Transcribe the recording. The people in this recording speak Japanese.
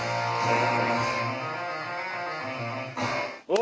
お！